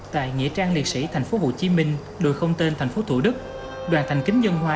tại nghĩa trang liệt sĩ thành phố hồ chí minh đổi không tên thành phố thủ đức đoàn thành kính dân hòa